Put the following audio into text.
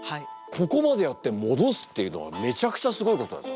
ここまでやって戻すっていうのはめちゃくちゃすごいことだぞ。